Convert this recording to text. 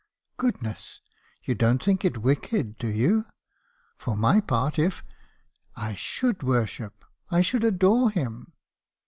"' Goodness !— You don't think it wicked, do you? For my part, if ... I should worship, I should adore him.'